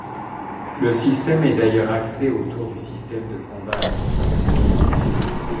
Le système est d'ailleurs axé autour du système de combat à distance.